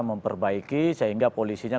memperbaiki sehingga polisinya